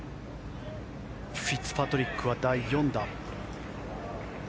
フィッツパトリックは第４打。